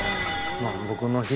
まあ僕の。